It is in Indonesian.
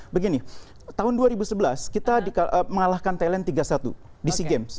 begini tahun dua ribu sebelas kita mengalahkan thailand tiga satu di sea games